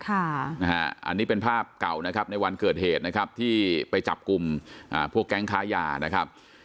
อันนี้เป็นภาพเก่านะครับในวันเกิดเหตุนะครับที่ไปจับกลุ่มพวกแก๊งค้ายานะครับ